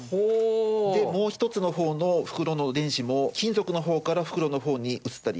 でもう一つの方の袋の電子も金属の方から袋の方に移ったり。